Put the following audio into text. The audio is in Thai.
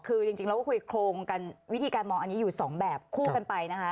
คือจริงคุยโครงวิธีการมองอันนี้อยู่ที่สองแบบคู่กันไป